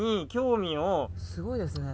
すごいですよね。